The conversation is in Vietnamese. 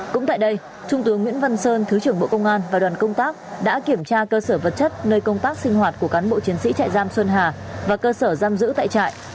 cũng tại đây trung tướng nguyễn văn sơn thứ trưởng bộ công an và đoàn công tác đã kiểm tra cơ sở vật chất nơi công tác sinh hoạt của cán bộ chiến sĩ trại giam xuân hà và cơ sở giam giữ tại trại